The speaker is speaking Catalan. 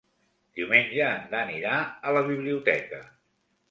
Diumenge en Dan irà a la biblioteca.